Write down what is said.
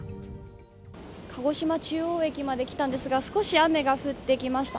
鹿児島中央駅まで来たんですが少し雨が降ってきました。